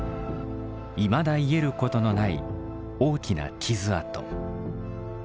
いまだ癒えることのない大きな傷痕。